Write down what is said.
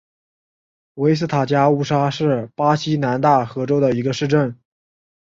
维斯塔加乌沙是巴西南大河州的一个市镇。